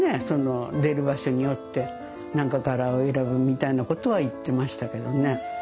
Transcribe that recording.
その出る場所によってなんか柄を選ぶみたいなことは言ってましたけどね。